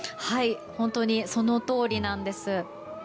本当にそのとおりなんです。